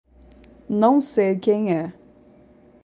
Não sei quem é.